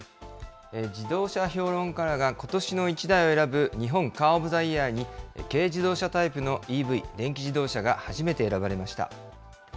自動車評論家らがことしの一台を選ぶ日本カー・オブ・ザ・イヤーに、軽自動車タイプのＥＶ・電気自動車が初めて選ばれました。